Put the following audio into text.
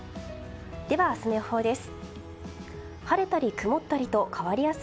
では明日の予報です。